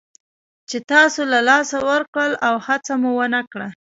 چې تاسو له لاسه ورکړل او هڅه مو ونه کړه.